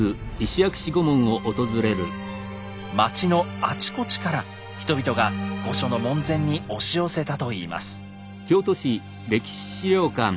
町のあちこちから人々が御所の門前に押し寄せたといいます。